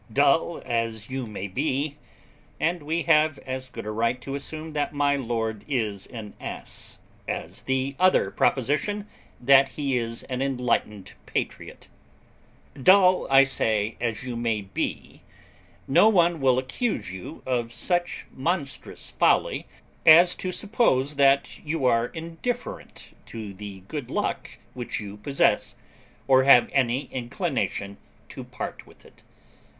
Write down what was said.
Dull as you may be (and we have as good a right to assume that my lord is an ass, as the other proposition, that he is an enlightened patriot); dull, I say, as you may be, no one will accuse you of such monstrous folly, as to suppose that you are indifferent to the good luck which you possess, or have any inclination to part with it.